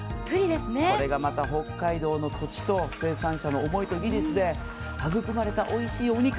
これがまた北海道の土地と生産者の思いと技術で育まれたおいしいお肉。